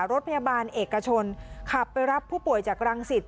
รถพยาบาลเอกชนขับไปรับผู้ป่วยจากรังสิต